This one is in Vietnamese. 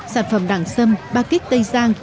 sản phẩm đẳng sâm ba kích tây giang